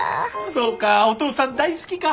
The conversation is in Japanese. そうかお父さん大好きか。